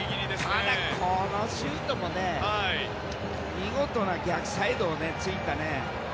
ただ、このシュートも見事に逆サイドを突いたよね。